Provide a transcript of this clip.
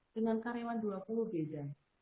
dengan karyawan dua puluh beda